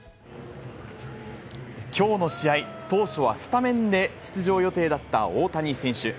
きょうの試合、当初はスタメンで出場予定だった大谷選手。